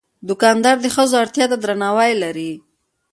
دوکاندار د ښځو اړتیا ته درناوی لري.